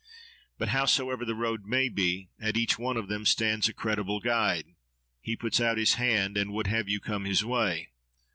But howsoever the road may be, at each one of them stands a credible guide; he puts out his hand and would have you come his way.